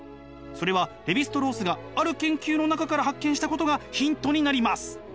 それはレヴィ＝ストロースがある研究の中から発見したことがヒントになります。